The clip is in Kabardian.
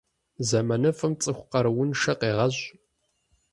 Зэманыфӏым цӏыху къарууншэ къегъэщӏ.